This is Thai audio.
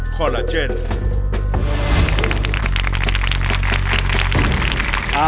คอลลาเจน